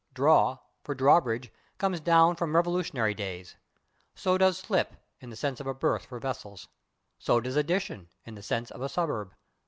/Draw/, for /drawbridge/, comes down from Revolutionary days. So does /slip/, in the sense of a berth for vessels. So does /addition/, in the sense of a suburb.